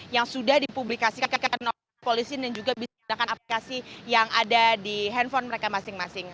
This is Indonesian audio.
yang sudah dipublikasikan ke polisi dan juga bisa menggunakan aplikasi yang ada di handphone mereka masing masing